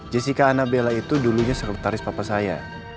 jessica annabela itu dulunya sekretaris papa saya